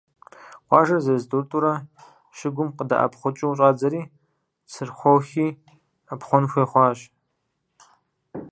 Къуажэр зырыз-тӏурытӏурэ щыгум къыдэӏэпхъукӏыу щӏадзэри, Цырхъохи ӏэпхъуэн хуей хъуащ.